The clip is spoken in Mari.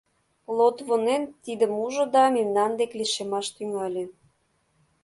Лотвонен тидым ужо да мемнан дек лишемаш тӱҥале.